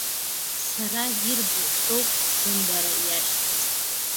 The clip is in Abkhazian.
Сара ирбо соуп сымбара иашьҭаз.